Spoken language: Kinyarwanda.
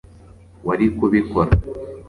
wari kubikora